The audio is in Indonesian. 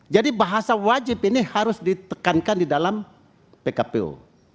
jadi bahasa wajib ini harus ditekankan di dalam pkpu